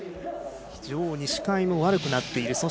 非常に視界も悪くなっている。